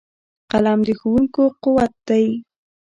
قلم د ښوونکو قوت دی